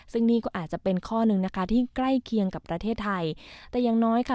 ซึ่งนี่ก็อาจจะเป็นข้อหนึ่งนะคะที่ใกล้เคียงกับประเทศไทยแต่อย่างน้อยค่ะ